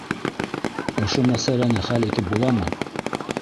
Ошо мәсьәләне хәл итеп буламы?